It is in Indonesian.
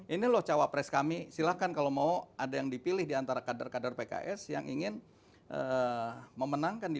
ini loh cawapres kami silahkan kalau mau ada yang dipilih di antara kader kader pks yang ingin memenangkan di dua ribu dua puluh empat